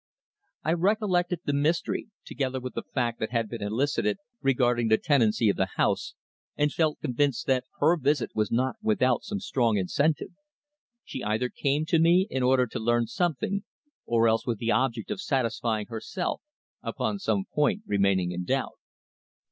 I recollected the mystery, together with the fact that had been elicited regarding the tenancy of the house, and felt convinced that her visit was not without some strong incentive. She either came to me in order to learn something, or else with the object of satisfying herself upon some point remaining in doubt.